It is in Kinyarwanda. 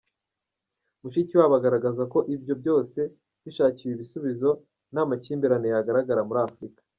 Mushikiwabo agaragaza ko ibyo byose bishakiwe ibisubizo nta makimbirane yagaragara muri Afurika.